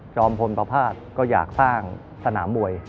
จอมพลปภาษก็อยากสร้างสนามมวย